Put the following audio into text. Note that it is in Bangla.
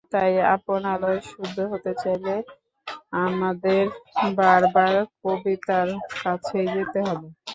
তাই আপন আলোয় শুদ্ধ হতে চাইলে আমাদের বারবার কবিতার কাছেই যেতে হবে।